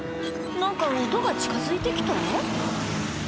何か音が近づいて来た？